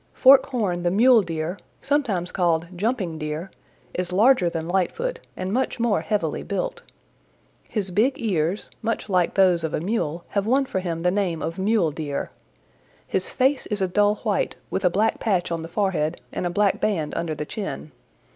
"Forkhorn the Mule Deer, sometimes called Jumping Deer, is larger than Lightfoot and much more heavily built. His big ears, much like those of a Mule, have won for him the name of Mule Deer. His face is a dull white with a black patch on the forehead and a black band under the chin.